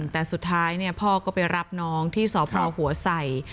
แต่สุดท้ายพ่อก็ไปรับน้องที่สพหัวไส่